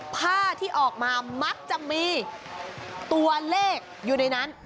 ผ้าที่ออกมามักจะมีตัวเลขอยู่ในนั้น